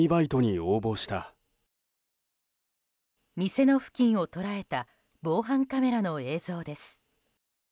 店の付近を捉えた防犯カメラの映像です。